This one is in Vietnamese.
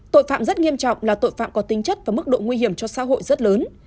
tội phạm rất nghiêm trọng là tội phạm có tính chất và mức độ nguy hiểm cho xã hội rất lớn